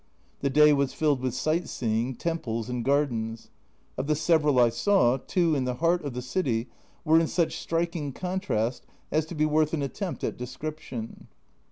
The day was filled with sight seeing, temples and gardens. Of the several I saw, two in the heart of the city were in such striking contrast as to be worth an attempt at description.